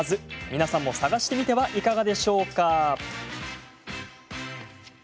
皆さんも探してみてはいかがでしょうか。